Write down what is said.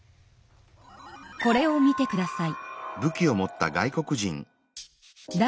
これを見てください。